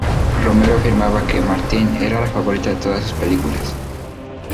Romero afirmaba que "Martin" era la favorita de todas sus películas.